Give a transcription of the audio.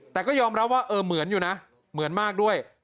แต่ก็ยอมรับว่าเออเหมือนอยู่นะเหมือนมากด้วย